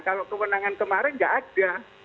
kalau kewenangan kemarin nggak ada